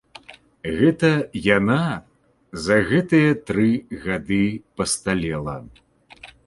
Гэта яна за гэтыя тры гады пасталела.